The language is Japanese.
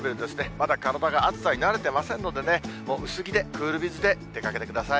まだ体が暑さに慣れてませんのでね、薄着で、クールビズで出かけてください。